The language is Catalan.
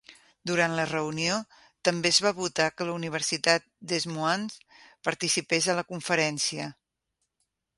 Durant la reunió, també es va votar que la universitat Des Moines participés a la conferència.